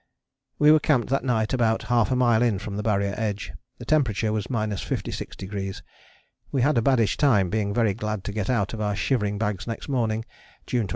We were camped that night about half a mile in from the Barrier edge. The temperature was 56°. We had a baddish time, being very glad to get out of our shivering bags next morning (June 29).